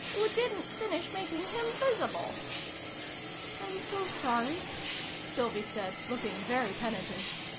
" Oo didn't finish making him visible !" "I'm so sorry!" Sylvie said, looking very penitent.